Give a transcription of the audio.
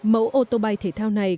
mẫu ô tô bay thể thao này